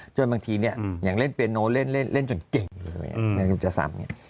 จนบางทีอย่างเล่นเปียโนเล่นจนเก่งจะซ้ำ